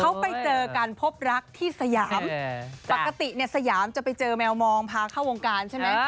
เขาไปเจอกันพบรักที่สยามปกติเนี่ยสยามจะไปเจอแมวมองพาเข้าวงการใช่ไหม